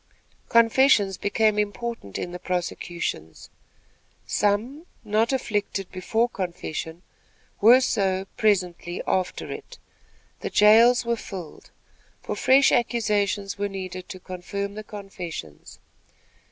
Confessions became important in the prosecutions. Some, not afflicted before confession, were so, presently, after it. The jails were filled; for fresh accusations were needed to confirm the confessions.